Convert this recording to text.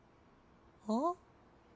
あっ？